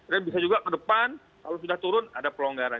dan bisa juga ke depan kalau sudah turun ada pelonggaran